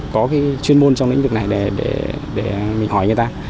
có cái chuyên môn trong lĩnh vực này để mình hỏi người ta